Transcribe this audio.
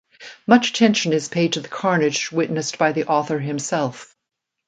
Much attention is paid to the carnage witnessed by the author himself.